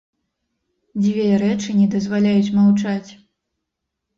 Дзве рэчы не дазваляюць маўчаць.